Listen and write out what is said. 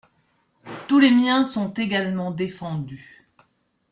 Tous les miens sont également défendus.